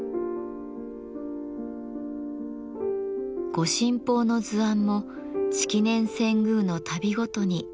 御神宝の図案も式年遷宮のたびごとに写されてきました。